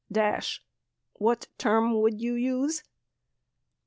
Dash. What term would you use?